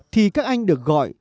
thì các anh được gọi